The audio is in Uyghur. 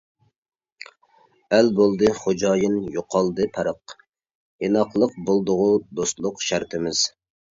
ئەل بولدى خوجايىن يوقالدى پەرق، ئىناقلىق بولدىغۇ دوستلۇق شەرتىمىز.